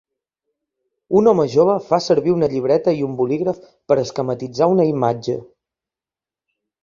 Un home jove fa servir una llibreta i un bolígraf per esquematitzar una imatge.